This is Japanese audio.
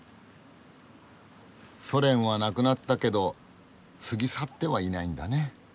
ソ連は無くなったけど過ぎ去ってはいないんだね。